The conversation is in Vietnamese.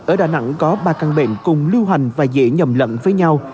ở đà nẵng có ba căn bệnh cùng lưu hành và dễ nhầm lẫn với nhau